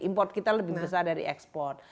import kita lebih besar dari ekspor